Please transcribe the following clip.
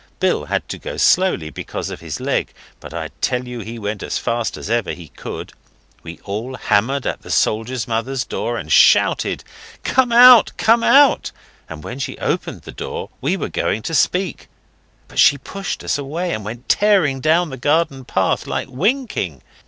Bill had to go slowly because of his leg, but I tell you he went as fast as ever he could. We all hammered at the soldier's mother's door, and shouted 'Come out! come out!' and when she opened the door we were going to speak, but she pushed us away, and went tearing down the garden path like winking.